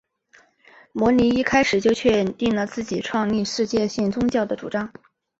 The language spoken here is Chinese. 摩尼一开始就确定了自己创立世界性宗教的主张。